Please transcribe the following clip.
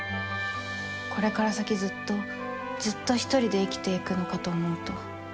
これから先ずっとずっとひとりで生きていくのかと思うと。